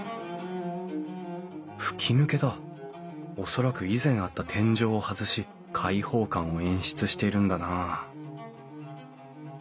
恐らく以前あった天井を外し開放感を演出しているんだな